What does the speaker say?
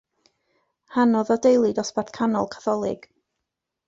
Hanodd o deulu dosbarth canol, Catholig.